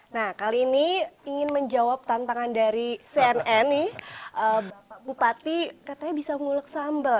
nah kali ini ingin menjawab tantangan dari cnn nih bapak bupati katanya bisa ngulek sambal